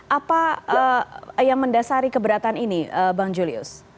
apa yang mendasari keberatan ini bang julius